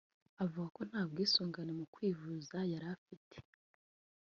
uvuga ko nta bwisungane mu kwivuza yari afite